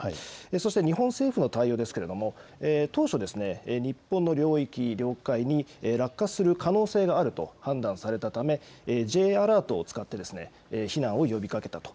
そして日本政府の対応ですけれども、当初、日本の領域、領海に落下する可能性があると判断されたため、Ｊアラートを使って避難を呼びかけたと。